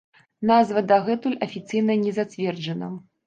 Назва дагэтуль афіцыйна не зацверджана.